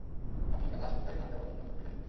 আপনি কালাশ পূজায় না যাওয়ার জন্য জোর দেবেন।